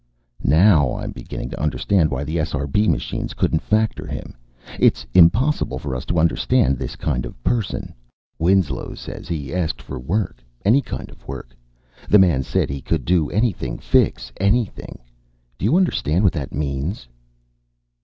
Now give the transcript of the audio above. "Now I'm beginning to understand why the SRB machines couldn't factor him. It's impossible for us to understand this kind of person. Winslow says he asked for work, any kind of work. The man said he could do anything, fix anything. Do you understand what that means?"